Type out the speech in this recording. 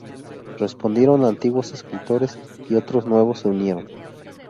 Respondieron antiguos escritores y otros nuevos se unieron.